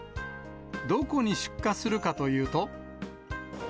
どこに出荷するかというと。